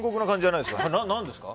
何ですか？